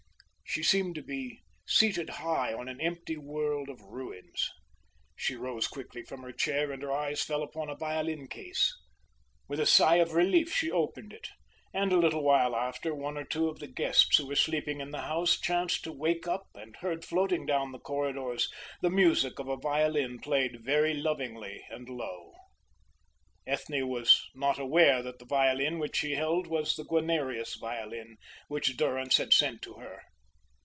She seemed to be seated high on an empty world of ruins. She rose quickly from her chair, and her eyes fell upon a violin case. With a sigh of relief she opened it, and a little while after one or two of the guests who were sleeping in the house chanced to wake up and heard floating down the corridors the music of a violin played very lovingly and low. Ethne was not aware that the violin which she held was the Guarnerius violin which Durrance had sent to her.